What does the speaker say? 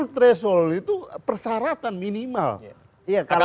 treshold itu persaratan minimal